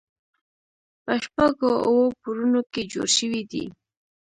په شپږو اوو پوړونو کې جوړ شوی دی.